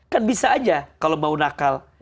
kan bisa aja kalau mau nakal